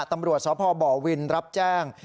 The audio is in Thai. ตำรวจสพบวินรับแจ้ง